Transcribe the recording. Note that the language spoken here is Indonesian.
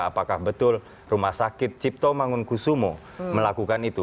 apakah betul rumah sakit cipto mangunkusumo melakukan itu